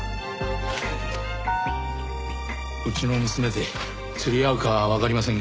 うちの娘で釣り合うかはわかりませんが。